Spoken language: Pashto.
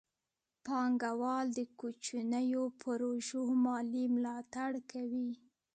پانګه وال د کوچنیو پروژو مالي ملاتړ کوي.